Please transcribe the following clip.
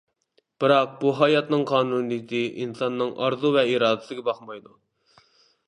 بىراق بۇ ھاياتنىڭ قانۇنىيىتى ئىنساننىڭ ئارزۇ ۋە ئىرادىسىگە باقمايدۇ.